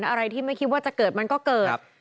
อะไรที่ไม่คิดว่าจะเกิดมันก็เกิด